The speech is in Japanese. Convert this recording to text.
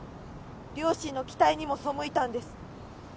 両親の期待にも背いたんです。